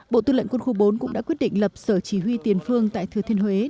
bộ tư lệnh quân khu bốn cũng đã quyết định lập sở chỉ huy tiền phương tại thừa thiên huế